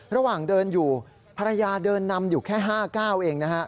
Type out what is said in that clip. ระหว่างเดินอยู่ภรรยาเดินนำอยู่แค่๕๙เองนะฮะ